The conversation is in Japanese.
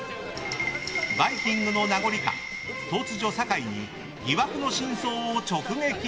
「バイキング」の名残か突如、酒井に疑惑の真相を直撃。